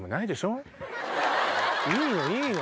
いいのいいの！